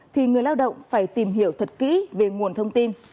thì người lao động phải tìm hiểu thật kỹ về nguồn thông tin